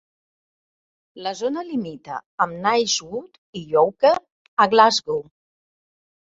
La zona limita amb Knightswood i Yoker a Glasgow.